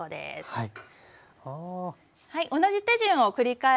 はい。